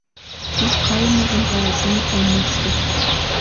Куш кайымыжым каласен ом мошто...